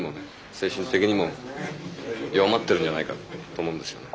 精神的にも弱まってるんじゃないかと思うんですよね。